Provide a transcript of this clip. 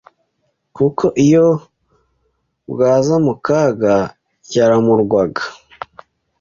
kuko iyo bwazamukaga yarimurwaga